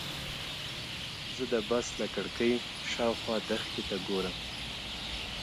زه د بس له کړکۍ شاوخوا دښتې ته ګورم.